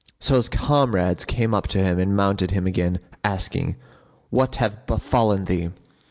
So his comrades came up to him and mounted him again, asking, "What hath befallen thee?"